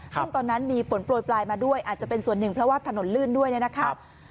ซึ่งตอนนั้นมีฝนโปรยปลายมาด้วยอาจจะเป็นส่วนหนึ่งเพราะว่าถนนลื่นด้วยนะครับ